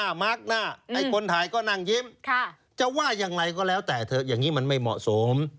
มาร์คหน้าไอ้คนถ่ายก็นั่งยิ้มจะว่ายังไงก็แล้วแต่เถอะอย่างนี้มันไม่เหมาะสม